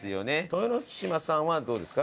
豊ノ島さんはどうですか？